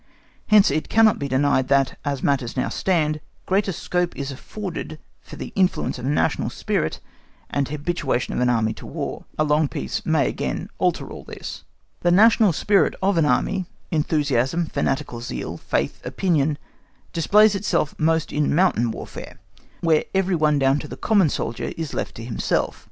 Hence it cannot be denied that, as matters now stand, greater scope is afforded for the influence of National spirit and habituation of an army to War. A long peace may again alter all this.(*) (*) Written shortly after the Great Napoleonic campaigns. The national spirit of an Army (enthusiasm, fanatical zeal, faith, opinion) displays itself most in mountain warfare, where every one down to the common soldier is left to himself.